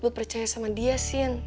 buat percaya sama dia sin